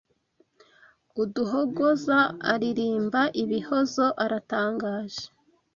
Uduhogoza aririmba ibihozo aratangaje